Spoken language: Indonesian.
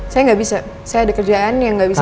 saya gak bisa saya ada kerjaan yang gak bisa saya